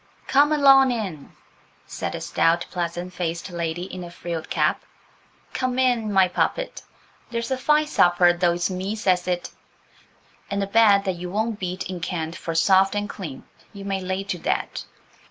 "Come along in," said a stout, pleasant faced lady in a frilled cap; "come in, my poppet. There's a fine supper, though it's me says it, and a bed that you won't beat in Kent for soft and clean, you may lay to that."